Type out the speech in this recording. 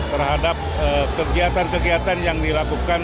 terhadap kegiatan kegiatan yang dilakukan